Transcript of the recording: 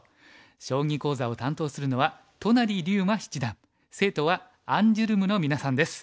将棋講座を担当するのは都成竜馬七段生徒はアンジュルムのみなさんです。